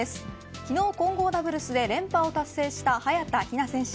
昨日混合ダブルスで連覇を達成した早田ひな選手。